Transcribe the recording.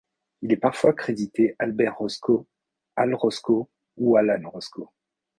Il est parfois crédité Albert Roscoe, Al Roscoe ou Allan Roscoe.